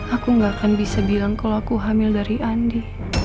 aku gak akan bisa bilang kalau aku hamil dari andi